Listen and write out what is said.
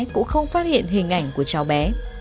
cũng không phát hiện hình ảnh của cháu bé